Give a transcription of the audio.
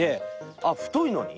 あっ太いのに？